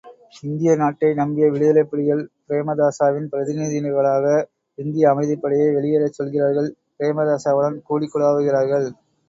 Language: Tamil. இந்திய நாட்டை நம்பிய விடுதலைப்புலிகள், பிரேமதாசாவின் பிரதி நிதிகளாக இந்திய அமைதிப்படையை வெளியேறச் சொல்கிறார்கள் பிரேமதாசாவுடன் கூடிக் குலாவுகிறார்கள்.